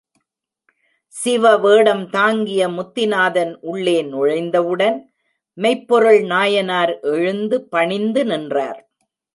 சிவவேடம் தாங்கிய முத்திநாதன் உள்ளே நுழைந்தவுடன் மெய்ப்பொருள் நாயனார் எழுந்து பணிந்து நின்றார்.